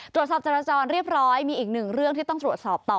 จราจรเรียบร้อยมีอีกหนึ่งเรื่องที่ต้องตรวจสอบต่อ